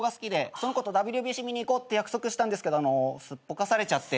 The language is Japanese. その子とＷＢＣ見にいこうって約束したんですけどすっぽかされちゃって。